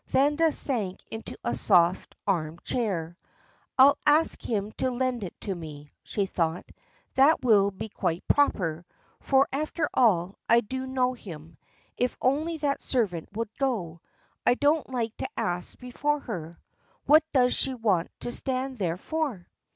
Vanda sank into a soft arm chair. "I'll ask him to lend it me," she thought; "that will be quite proper, for, after all, I do know him. If only that servant would go. I don't like to ask before her. What does she want to stand there for?"